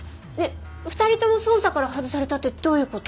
２人とも捜査から外されたってどういう事？